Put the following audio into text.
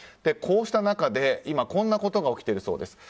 こうした中で今こんなことが起きているそうです。